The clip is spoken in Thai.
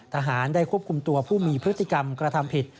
ทหารได้ควบคุมตัวผู้มีพฤติกรรมกระทำผิด